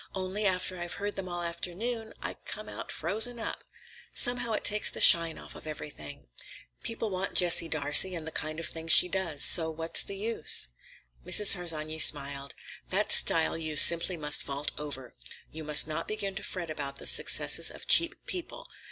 Only, after I've heard them all afternoon, I come out frozen up. Somehow it takes the shine off of everything. People want Jessie Darcey and the kind of thing she does; so what's the use?" Mrs. Harsanyi smiled. "That stile you must simply vault over. You must not begin to fret about the successes of cheap people.